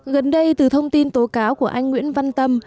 gần đây từ thông tin tố cáo của anh nguyễn văn tâm